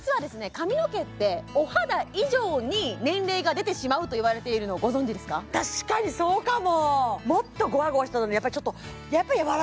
髪の毛ってお肌以上に年齢が出てしまうといわれているのご存じですか確かにそうかも！